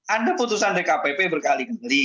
ada putusan dkpp berkali kali